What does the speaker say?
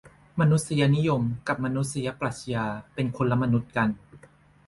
มนุษยนิยมกับมนุษยปรัชญา เป็นคนละมนุษย์กัน